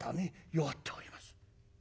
「弱っております」。